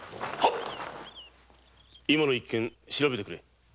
今の一件承知調べてくれ！